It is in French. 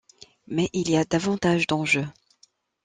Mais il y a davantage d’enjeux.